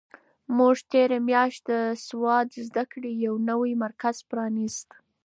موږ تېره میاشت د سواد زده کړې یو نوی مرکز پرانیست.